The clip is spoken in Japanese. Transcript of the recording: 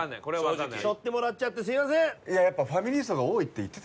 しょってもらっちゃってすいません！